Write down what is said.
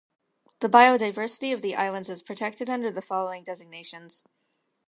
The biodiversity of the islands is protected under the following designations.